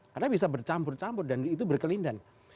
karena bisa bercampur campur dan itu berkelindahan